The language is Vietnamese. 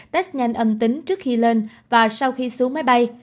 test nhanh âm tính trước khi lên và sau khi xuống máy bay